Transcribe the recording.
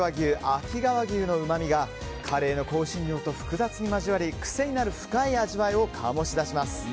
秋川牛のうまみがカレーの香辛料と複雑に交わり癖になる深い味わいを醸し出します。